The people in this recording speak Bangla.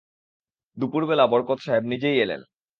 দুপুরবেলা বরকত সাহেব নিজেই এলেন।